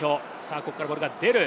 ここからボールが出る。